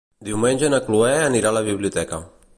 Diumenge na Chloé anirà a la biblioteca.